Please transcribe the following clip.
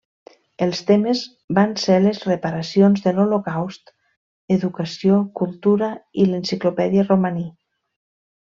Els temes van ser les reparacions de l'Holocaust, educació, cultura, i l'enciclopèdia romaní.